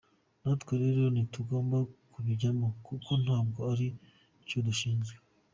Natwe rero ntitugomba kubijyamo kuko ntabwo ari cyo dushinzwe”.